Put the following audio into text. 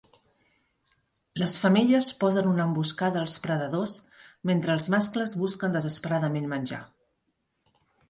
Les femelles posen una emboscada als predadors mentre els mascles busquen desesperadament menjar.